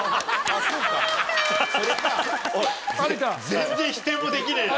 全然否定もできねえな。